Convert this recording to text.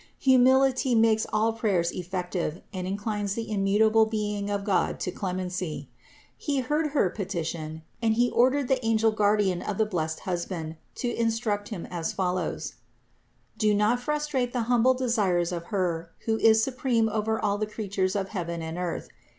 Humility makes all prayers effective and inclines the im mutable Being of God to clemency. He heard Her peti tion and He ordered the angel guardian of the blessed husband to instruct him as follows: "Do not frustrate the humble desires of Her who is supreme over all the creatures of heaven and earth.